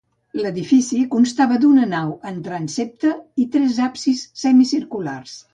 L'edifici constava d'una nau amb transsepte i tres absis semicirculars.